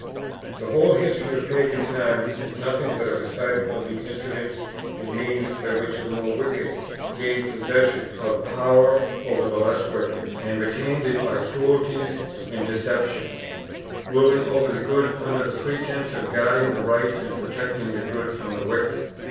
The whole history of pagan times is nothing but a recital of the incidents and means by which the more wicked gained possession of power over the less wicked, and retained it by cruelties and deceptions, ruling over the good under the pretense of guarding the right and protecting the good from the wicked.